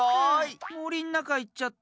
もりんなかいっちゃった。